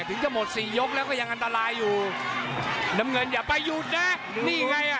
ถึงจะหมดสี่ยกแล้วก็ยังอันตรายอยู่น้ำเงินอย่าไปหยุดนะนี่ไงอ่ะ